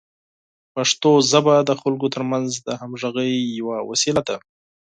پښتو ژبه د خلکو ترمنځ د همغږۍ یوه وسیله ده.